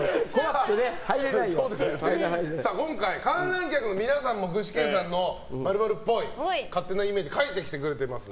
今回、観覧客の皆さんも具志堅さんの○○っぽい勝手なイメージを書いてきてくれています。